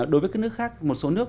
đối với các nước khác một số nước